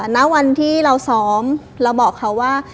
ณวันที่เราซ้อมเราบอกเขาว่า